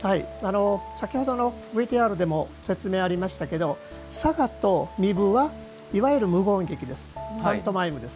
先ほどのＶＴＲでも説明がありましたけど嵯峨と壬生はいわゆる無言劇ですパントマイムです。